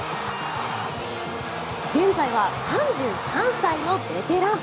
現在は３３歳のベテラン。